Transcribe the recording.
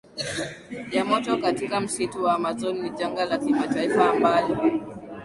ya moto katika msitu wa Amazon ni janga la kimataifa ambalo